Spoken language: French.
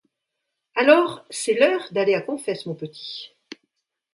Alors c’est l’heure d’aller à confesse mon petit.